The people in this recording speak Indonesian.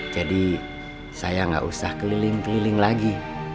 jadi saya gak usah keliling keliling lagi